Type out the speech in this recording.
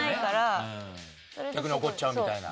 逆に怒っちゃうみたいな。